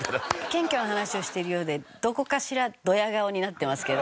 謙虚な話をしているようでどこかしらドヤ顔になってますけど。